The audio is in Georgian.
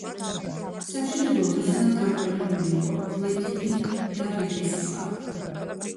სამშენებლო მასალად გამოყენებული იყო ფლეთილი და რიყის ქვა.